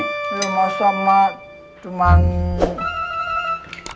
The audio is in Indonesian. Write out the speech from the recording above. loh masa mak cuma